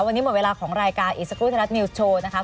วันนี้หมดเวลาของรายการอีสกุธรัฐมิวส์โชว์นะคะ